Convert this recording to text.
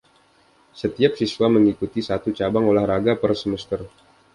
Setiap siswa mengikuti satu cabang olah raga per semester.